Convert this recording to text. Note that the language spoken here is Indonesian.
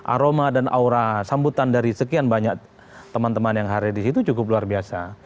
aroma dan aura sambutan dari sekian banyak teman teman yang hari di situ cukup luar biasa